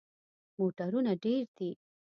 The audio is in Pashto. موټرونه ډیر دي